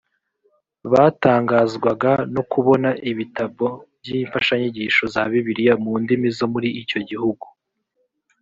batangazwaga no kubona ibitabo by imfashanyigisho za bibiliya mu ndimi zo muri icyo gihugu